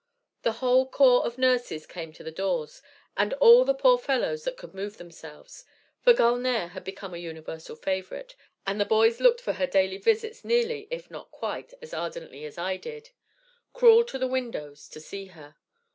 The whole corps of nurses came to the doors, and all the poor fellows that could move themselves for Gulnare had become a universal favorite, and the boys looked for her daily visits nearly, if not quite, as ardently as I did crawled to the windows to see her.